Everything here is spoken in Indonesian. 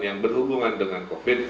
yang berhubungan dengan covid sembilan belas